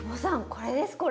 これですこれ！